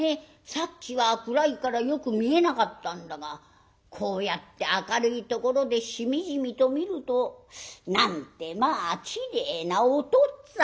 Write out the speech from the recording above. さっきは暗いからよく見えなかったんだがこうやって明るいところでしみじみと見るとなんてまあきれいなおとっつぁん」。